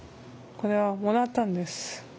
これはもらったんです。